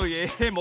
え